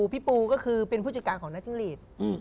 เข้าพี่ปูพี่ปูก็คือเป็นผู้จัดการของนักจิงฤทธิ์